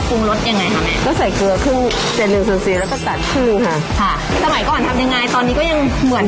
ค่ะสมัยก่อนทำยังไงตอนนี้ก็ยังเหมือนเดิมทุกอย่าง